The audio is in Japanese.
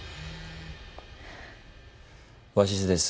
鷲津です。